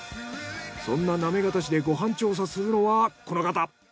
そんな行方市でご飯調査するのはこの方。